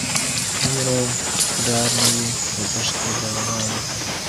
هومره ډار نه وي د دښت له لړمانو